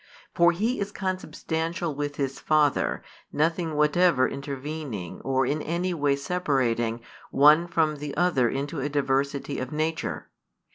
For He is Consubstantial with His Father, nothing whatever intervening or in any way separating One from the Other into a diversity of nature.